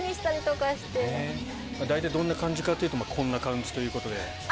大体どんな感じかというとこんな感じということで。